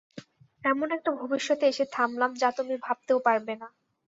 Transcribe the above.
এমন একটা ভবিষ্যতে এসে থামলাম, যা তুমি ভাবতেও পারবে না।